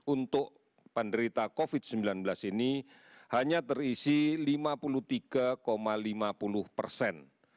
untuk penderita covid sembilan belas ini hanya terisi lima puluh tiga lima puluh persen